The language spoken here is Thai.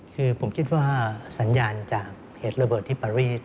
คือผมคิดว่าสัญญาณจากเหตุระเบิดที่ปรีด